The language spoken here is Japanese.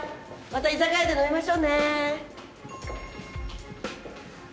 また居酒屋で飲みましょうね。